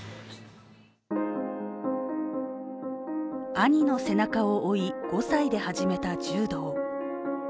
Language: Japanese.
兄の背中を追い、５歳で始めた柔道。